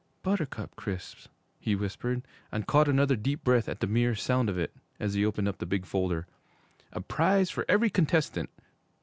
'Buttercup Crisps!' he whispered, and caught another deep breath at the mere sound of it, as he opened up the big folder. _'A Prize for Every Contestant!'